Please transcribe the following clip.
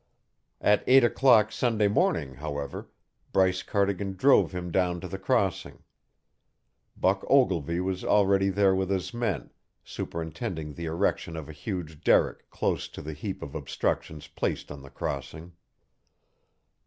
At eight o'clock Sunday morning, however, Bryce Cardigan drove him down to the crossing. Buck Ogilvy was already there with his men, superintending the erection of a huge derrick close to the heap of obstructions placed on the crossing.